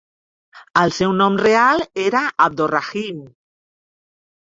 El seu nom real era "Abdorrahim".